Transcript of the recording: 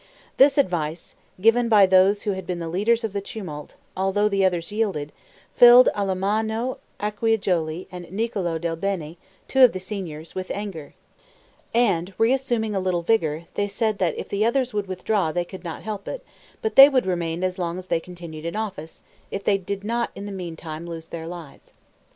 This advice, given by those who had been the leaders of the tumult, although the others yielded, filled Alamanno Acciajuoli and Niccolo del Bene, two of the Signors, with anger; and, reassuming a little vigor, they said, that if the others would withdraw they could not help it, but they would remain as long as they continued in office, if they did not in the meantime lose their lives.